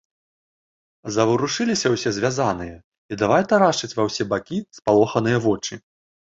Заварушыліся ўсе звязаныя і давай тарашчыць ва ўсе бакі спалоханыя вочы.